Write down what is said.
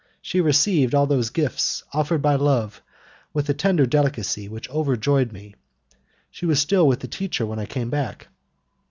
She received all those gifts offered by love with a tender delicacy which overjoyed me. She was still with the teacher when I came back.